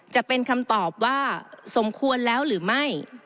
จะเป็นคำตอบว่าสมควรแล้วหรือไม่